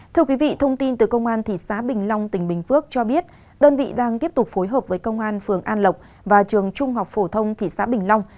thưa quý vị thông tin từ công an thị xã bình long tỉnh bình phước cho biết đơn vị đang tiếp tục phối hợp với công an phường an lộc và trường trung học phổ thông thị xã bình long